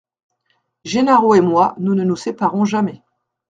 Gennaro et moi nous ne nous séparons jamais.